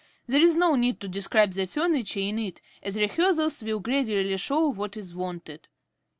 There is no need to describe the furniture in it, as rehearsals will gradually show what is wanted.